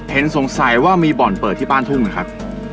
สงสัยว่ามีบ่อนเปิดที่บ้านทุ่งนะครับ